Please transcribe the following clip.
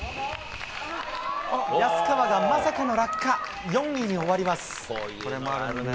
安川がまさかの落下、４位に終わります。